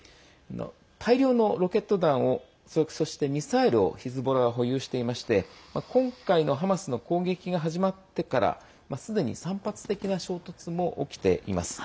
大量のロケット弾を、そしてミサイルをヒズボラは保有していまして今回のハマスの攻撃が始まってからすでに散発的な衝突も起きています。